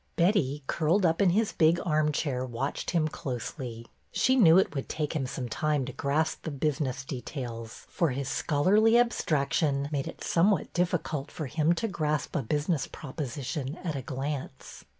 Betty, curled up in his big armchair, watched him closely. She knew it would take him some time to grasp the business details, for his schol arly abstraction made it somewhat difficult for him to grasp a business proposition at a glance.